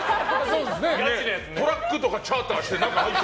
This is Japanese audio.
トラックとかチャーターして。